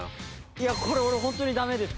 いやこれ俺ホントにダメです。